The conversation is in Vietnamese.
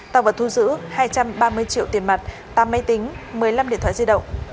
tạo vật thu giữ hai trăm ba mươi triệu tiền mặt tám máy tính một mươi năm điện thoại di động